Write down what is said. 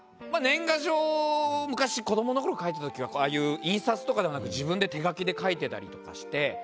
年賀状を昔子どものころ書いたときはああいう印刷とかではなく自分で手書きで描いてたりとかして。